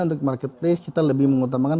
untuk marketplace kita lebih mengutamakan